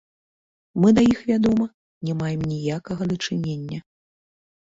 Мы да іх, вядома, не маем ніякага дачынення.